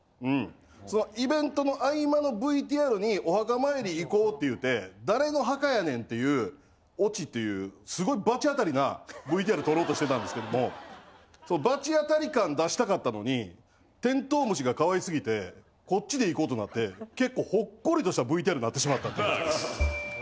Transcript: そのイベントの合間のＶＴＲにお墓参り行こうって言うて誰の墓やねん！っていうオチっていうすごいバチ当たりなＶＴＲ撮ろうとしてたんですけどもバチ当たり感出したかったのにてんとう虫がかわいすぎてこっちで行こうとなって結構ほっこりとしたＶＴＲになってしまったっていうやつです。